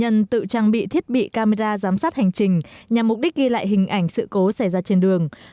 các nạn nhân tự trang bị thiết bị camera giám sát hành trình nhằm mục đích ghi lại hình ảnh sự cố xảy ra trên đường